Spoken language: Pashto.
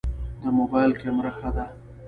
د موبایل کمره ښه ده؟